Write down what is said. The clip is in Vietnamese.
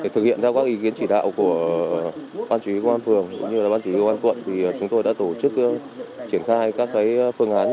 thực hiện ra các ý kiến chỉ đạo của ban chủ yếu công an phường ban chủ yếu công an quận chúng tôi đã tổ chức triển khai các phương án